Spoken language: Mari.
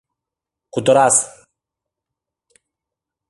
— Кутырас!